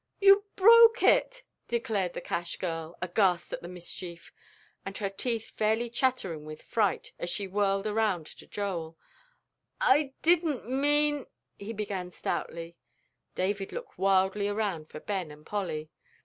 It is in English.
"You broke it!" declared the cash girl, aghast at the mischief, and her teeth fairly chattering with fright, as she whirled around to Joel. "I didn't mean " he began stoutly; David looked wildly around for Ben and Polly.